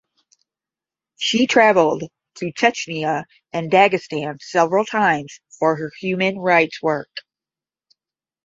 She travelled to Chechnya and Dagestan several times for her human rights work.